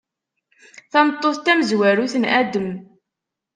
Tameṭṭut tamezwarut n Adem.